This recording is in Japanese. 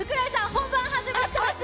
本番始まってます！